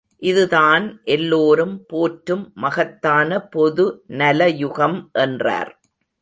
இதுதான் எல்லோரும் போற்றும் மகத்தான் பொது நல யுகம் என்றார்.